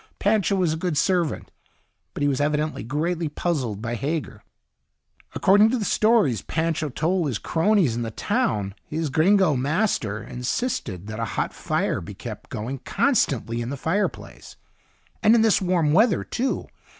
Pancho was a good servant. But he was evidently greatly puzzled by Hager. According to the stories Pancho told his cronies in the town, his gringo master insisted that a hot fire be kept going constantly in the fireplace. And in this warm weather, too!